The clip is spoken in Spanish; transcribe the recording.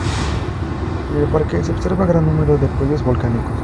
En el parque se observa gran número de cuellos volcánicos.